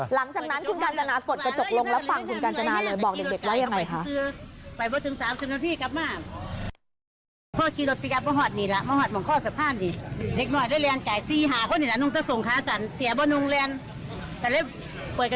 หลังจากนั้นคุณกาญจนากดกระจกลงแล้วฟังคุณกาญจนาเลยบอกเด็กว่ายังไงคะ